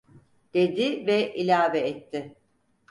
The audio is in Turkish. Dedi ve ilave etti: